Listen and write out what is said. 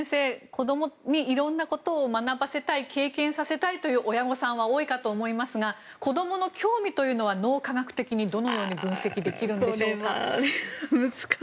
子供にいろんなことを学ばせたい、経験させたいという親御さんは多いかと思いますが子どもの興味というのは脳科学的にどう分析できますか。